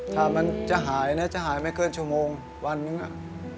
ถ้ามันจะหายนะจะหายไม่เกินชั่วโมงวันนึงอ่ะ